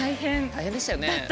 大変でしたよね。